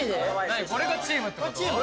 何これがチームってこと？